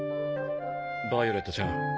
ヴァイオレットちゃん。